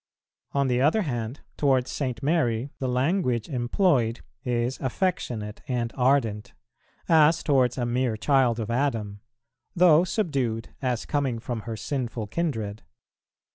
On the other hand, towards St. Mary the language employed is affectionate and ardent, as towards a mere child of Adam; though subdued, as coming from her sinful kindred.